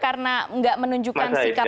karena nggak menunjukkan sikap aja